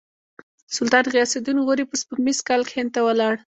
سلطان غیاث الدین غوري په سپوږمیز کال کې هند ته ولاړ.